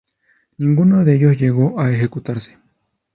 Ninguno de ellos llegó a ejecutarse.